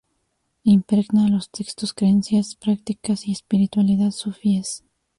Impregna los textos, creencias, prácticas y espiritualidad sufíes.